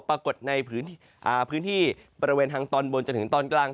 ปรากฏในพื้นที่บริเวณทางตอนบนจนถึงตอนกลาง